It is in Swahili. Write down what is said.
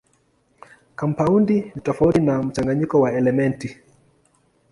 Kampaundi ni tofauti na mchanganyiko wa elementi.